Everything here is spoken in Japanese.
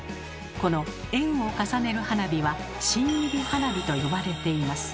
この円を重ねる花火は「芯入り花火」と呼ばれています。